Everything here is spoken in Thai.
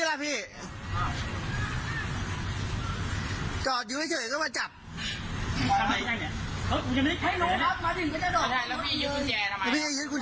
เจาะอยู่เฉยก็มาจับ